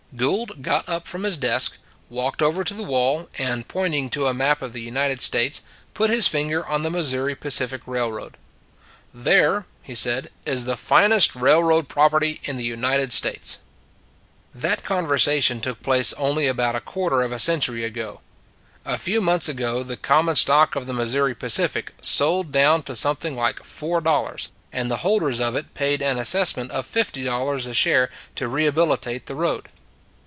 Gould got up from his desk, walked over to the wall, and pointing to a map of the United States, put his finger on the Mis souri Pacific Railroad. " There," he said, " is the finest railroad property in the United States." That conversation took place only about a quarter of a century ago. A few months ago the common stock of the Missouri Pa cific sold down to something like four dol lars, and the holders of it paid an assess ment of fifty dollars a share to rehabilitate the road.